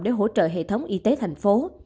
để hỗ trợ hệ thống y tế thành phố